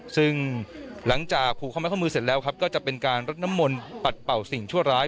ซึ่งหลังจากผูกข้อไม้ข้อมือเสร็จแล้วก็จะเป็นการรดน้ำมนต์ปัดเป่าสิ่งชั่วร้าย